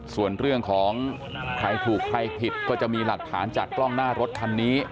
ส่วนเรื่องของใครถูกใครผิดก็จะมีหลักฐานจากกล้องหน้ารถคันนี้